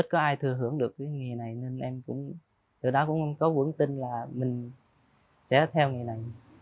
từ đó cũng có vững tin là mình sẽ theo nghề này